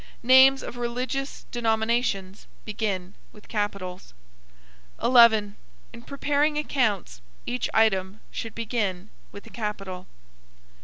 Names of religious denominations begin with capitals. 11. In preparing accounts, each item should begin with a capital.